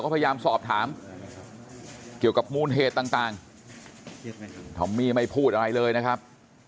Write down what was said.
พยายามสอบถามเกี่ยวกับมูลเหตุต่างทอมมี่ไม่พูดอะไรเลยนะครับ